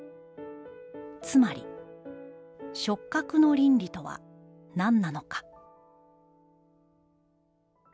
つまり触覚の倫理とは何なのか」。